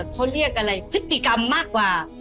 เขาเรียกอะไรพฤติกรรมมากกว่า